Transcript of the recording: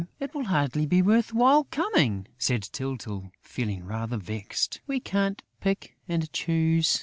"It will hardly be worth while coming!" said Tyltyl, feeling rather vexed. "We can't pick and choose!"